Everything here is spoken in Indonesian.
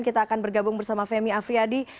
kita akan bergabung bersama femi afriyadi